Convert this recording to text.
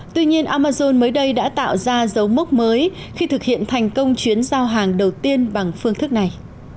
tuy nhiên amazon mới đây đã tạo ra dấu mốc mới khi thực hiện thành công chuyến giao hàng đầu tiên bằng phương thức này